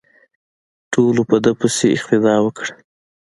ټولو په ده پسې اقتدا وکړه.